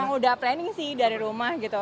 emang sudah planning sih dari rumah gitu